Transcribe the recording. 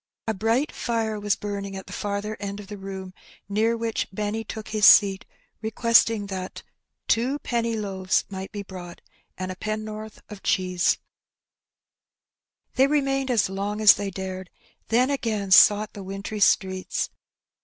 A bright fire was burning at the farther end of the room, near which Benny took his seat, requesting that "two penny loaves might be brought, and a pennorth of cheese.'' 32 Hee Benny. They remained as long as they dared^ then again sought the wintry streets.